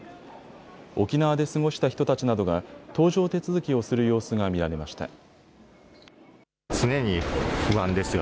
沖縄で過ごした人たちなどが搭乗手続きをする様子が見られました。